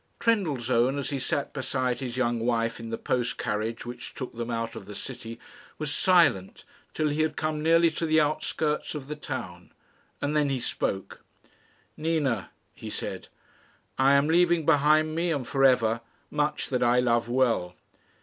Trendellsohn, as he sat beside his young wife in the post carriage which took them out of the city, was silent till he had come nearly to the outskirts of the town; and then he spoke. "Nina," he said, "I am leaving behind me, and for ever, much that I love well."